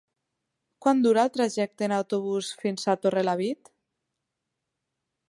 Quant dura el trajecte en autobús fins a Torrelavit?